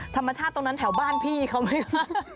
ธรรมชาติตรงนั้นแถวบ้านพี่เขาไหมคะ